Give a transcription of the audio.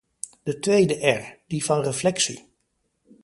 De tweede "r”, die van reflectie.